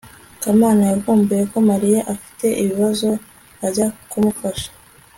kamana yavumbuye ko mariya afite ibibazo ajya kumufasha